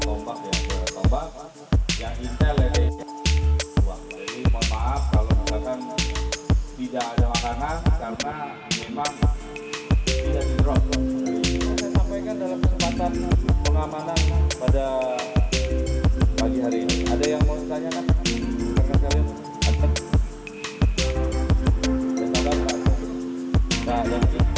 bombak yang berbombak yang intel ini memaaf kalau misalkan tidak ada warna karena memang